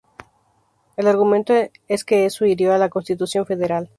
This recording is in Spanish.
El argumento es que eso hirió a la Constitución Federal.